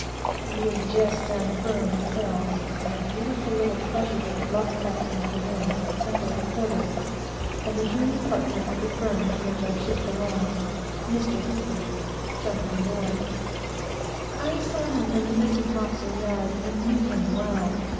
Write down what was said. We had just done furling the sails, when a beautiful little pleasure boat luffed up into the wind, under our quarter, and the junior partner of the firm to which our ship belonged, jumped on board. I saw him from the mizen topsail yard, and knew him well.